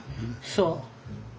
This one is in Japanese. そう。